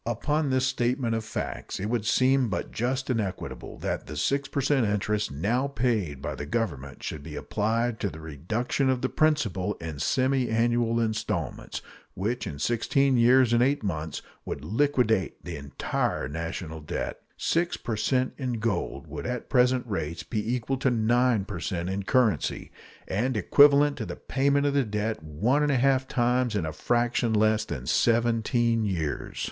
Upon this statement of facts it would seem but just and equitable that the 6 per cent interest now paid by the Government should be applied to the reduction of the principal in semiannual installments, which in sixteen years and eight months would liquidate the entire national debt. Six per cent in gold would at present rates be equal to 9 per cent in currency, and equivalent to the payment of the debt one and a half times in a fraction less than seventeen years.